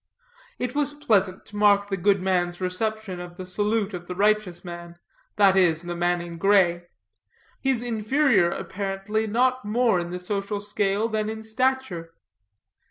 It was pleasant to mark the good man's reception of the salute of the righteous man, that is, the man in gray; his inferior, apparently, not more in the social scale than in stature.